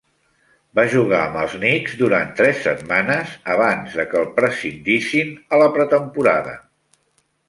Va jugar amb els Knicks durant tres setmanes abans de que el prescindissin a la pretemporada.